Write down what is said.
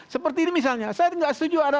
seperti ini misalnya saya nggak setuju ada